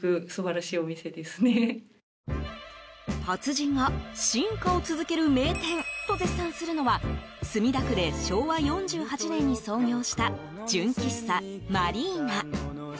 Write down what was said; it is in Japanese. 達人が進化を続ける名店と絶賛するのは墨田区で昭和４８年に創業した純喫茶マリーナ。